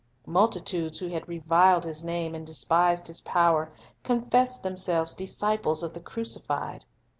Multitudes who had reviled His name and despised His power confessed themselves disciples of the Crucified.